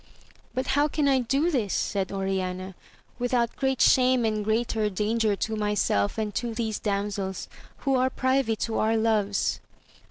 But how can I do this, said Oriana, without great shame and greater danger to myself and to these damsels, who are privy to our loves